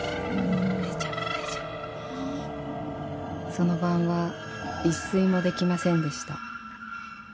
［その晩は一睡もできませんでした］